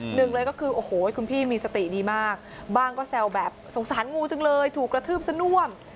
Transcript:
หนึ่งเลยก็คือโอ้โหคุณพี่มีสติดีมากบ้างก็แซวแบบสงสารงูจังเลยถูกกระทืบซะน่วม